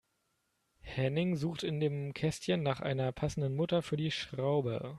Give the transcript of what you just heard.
Henning sucht in dem Kästchen nach einer passenden Mutter für die Schraube.